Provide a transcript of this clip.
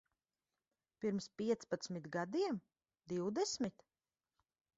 Pirms piecpadsmit gadiem? Divdesmit?